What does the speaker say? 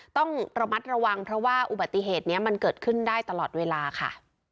ต้องระมัดระวังเพราะว่าอุบัติเหตุนี้มันเกิดขึ้นได้ตลอดเวลาค่ะ